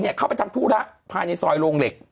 เนี่ยเข้าไปทำธุระผ่านในซอยโรงเหล็ก